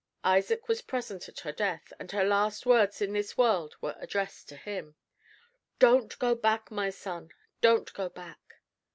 Isaac was present at her death, and her last words in this world were addressed to him: "Don't go back, my son, don't go back!"